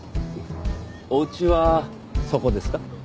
お家はそこですか？